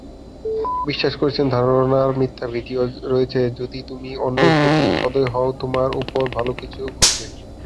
বিশ্বাস করেছেন "ধারনায় মিথ্যা ভিত্তি রয়েছে যদি তুমি অন্যের প্রতি সদয় হও, তোমার উপর ভালো কিছু ঘটবে।"